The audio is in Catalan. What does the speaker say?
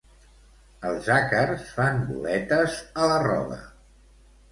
Els àcars fan boletes a la roba